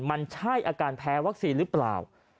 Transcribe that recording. มันใช่อาการแพ้วัคซีนหรือเปล่า